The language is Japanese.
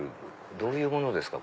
どういうものですか？